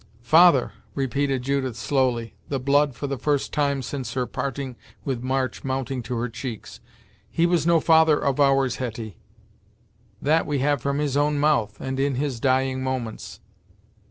"Father!" repeated Judith slowly, the blood for the first time since her parting with March mounting to her cheeks "He was no father of ours, Hetty! That we had from his own mouth, and in his dying moments."